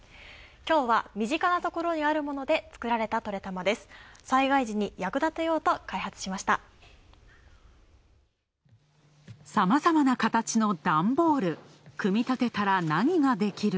身近なところにあるもので作られた「トレたま」です。